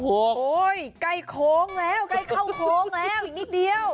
โอ้โหใกล้โค้งแล้วใกล้เข้าโค้งแล้วอีกนิดเดียว